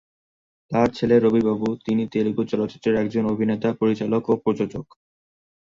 তার ছেলে রবি বাবু, তিনি তেলুগু চলচ্চিত্রের একজন অভিনেতা, পরিচালক ও প্রযোজক।